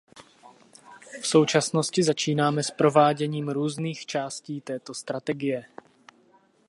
V současnosti začínáme s prováděním různých části této strategie.